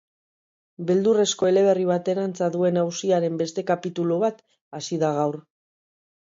Beldurrezko eleberri baten antza duen auziaren beste kapitulu bat hasi da gaur.